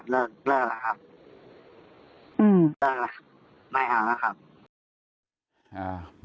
เลิกละครับไม่เอาเหรอครับ